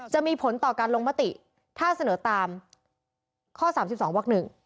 จะมีผลต่อการลงมติถ้าเสนอตามข้อ๓๒วัก๑